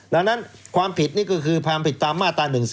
ดังนั้นความผิดนี่ก็คือความผิดตามมาตรา๑๔